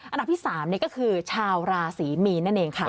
อันดับที่๓ก็คือชาวราศรีมีนนั่นเองค่ะ